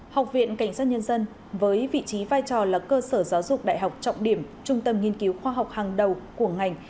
học viện cảnh sát nhân dân với vị trí vai trò là cơ sở giáo dục đại học trọng điểm trung tâm nghiên cứu khoa học hàng đầu của ngành